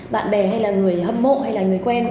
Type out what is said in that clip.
bạn bè hay là người hâm mộ hay là người quen